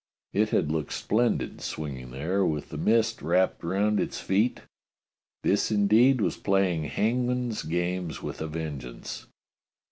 It had looked splendid swinging there with the mist wrapped round its feet. This indeed was playing hangman's games with a vengeance.